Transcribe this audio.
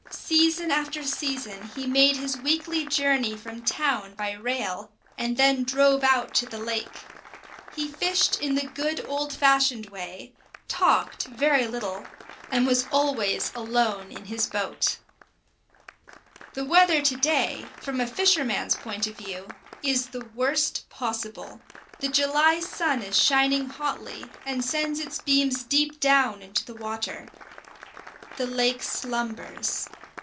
Season after season he made his weekly journey from town by rail, and then drove out to the lake. He fished in the good old fashioned way, talked very little, and was always alone in the boat. The weather to day, from a fisherman's point of view, is the worst possible. The July sun is shining hotly, and sends its beams deep down into the water. The lake slumbers.